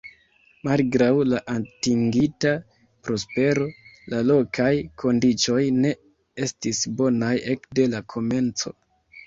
Malgraŭ la atingita prospero, la lokaj kondiĉoj ne estis bonaj ekde la komenco.